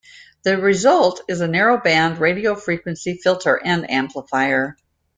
The result is a narrow-band radio-frequency filter and amplifier.